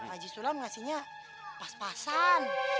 aji sulam ngasihnya pas pasan